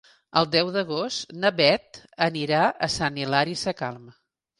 El deu d'agost na Beth anirà a Sant Hilari Sacalm.